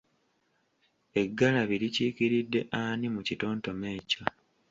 Eggalabi likiikiridde ani mu kitontome ekyo?